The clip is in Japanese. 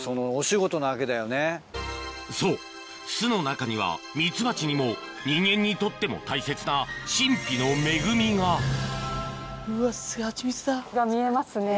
そう巣の中にはミツバチにも人間にとっても大切な見えますね。